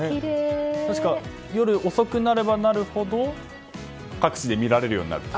確か、夜遅くなればなるほど各地で見られるようになると。